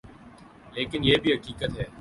لیکن یہ بھی حقیقت ہے۔